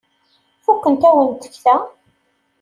Fukent-awen tekta.